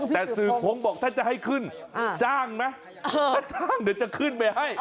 แต่สื่อผมบอกถ้าจะให้ขึ้นจ้างไหมถ้าจ้างเดี๋ยวจะขึ้นไปให้